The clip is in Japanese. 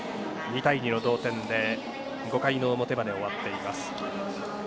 ２対２の同点で５回の表まで終わっています。